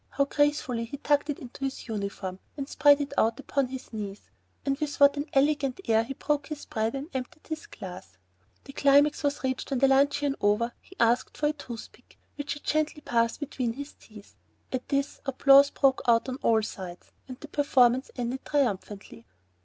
How gracefully he tucked it into his uniform, and spread it out upon his knees. And with what an elegant air he broke his bread and emptied his glass! The climax was reached when, luncheon over, he asked for a toothpick, which he quickly passed between his teeth. At this, applause broke out on all sides, and the performance ended triumphantly.